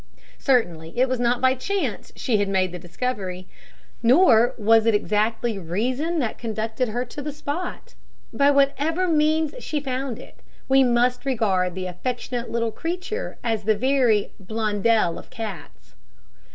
Certainly it was not by chance she made the discovery, nor was it exactly reason that conducted her to the spot. By whatever means she found it, we must regard the affectionate little creature as the very "Blondel of cats."